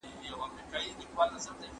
سپورت او لوبې له ملي یووالي سره تړاو لري.